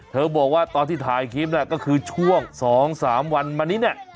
เธอบอกว่าตอนที่ถ่ายคลิปนั้นก็คือช่วง๒๓วันมานี้